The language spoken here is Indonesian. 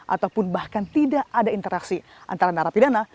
ataupun bahkan tidak ada interaksi antara narapidana